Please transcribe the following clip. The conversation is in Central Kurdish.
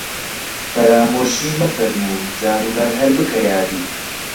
فەرامۆشی مەفەرموو، جاروبارە هەر بکە یادی